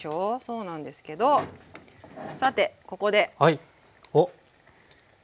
そうなんですけどさてここでいきます！